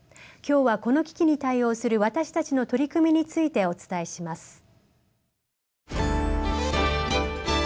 今日はこの危機に対応する私たちの取り組みについてお伝えします。